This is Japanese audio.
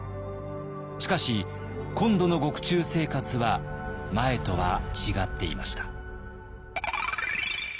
しかし今度の獄中生活は前とは違っていました。